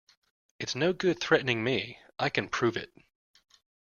It's no good threatening me. I can prove it!